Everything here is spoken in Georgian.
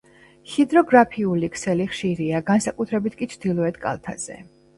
ჰიდროგრაფიული ქსელი ხშირია, განსაკუთრებით კი ჩრდილოეთ კალთაზე.